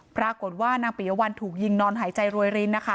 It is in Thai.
ปรากฏว่านางปิยวัลถูกยิงนอนหายใจรวยรินนะคะ